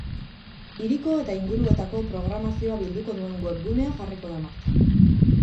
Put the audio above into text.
Hiriko eta inguruetako programazioa bilduko duen webgunea jarriko da martxan.